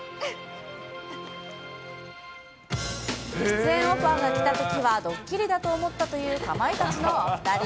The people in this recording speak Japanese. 出演オファーが来たときは、どっきりだと思ったというかまいたちのお２人。